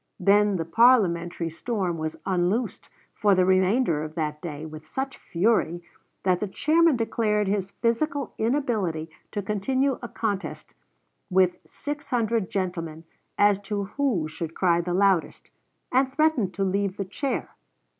Then the parliamentary storm was unloosed for the remainder of that day with such fury that the chairman declared his physical inability to continue a contest with six hundred gentlemen as to who should cry the loudest, and threatened to leave the chair.